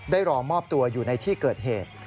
รอมอบตัวอยู่ในที่เกิดเหตุ